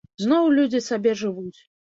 Зноў людзі сабе жывуць.